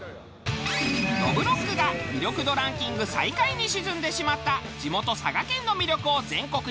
どぶろっくが魅力度ランキング最下位に沈んでしまった地元佐賀県の魅力を全国に発信！